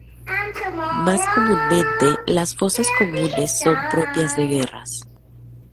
Más comúnmente, las fosas comunes son propias de guerras.